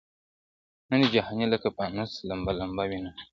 نن دي جهاني لکه پانوس لمبه- لمبه وینم-